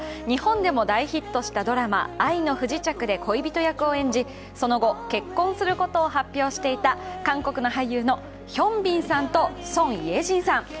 日本でも大ヒットしたドラマ「愛の不時着」で恋人役を演じその後、結婚することを発表していた韓国の俳優のヒョンビンさんとソン・イェジンさん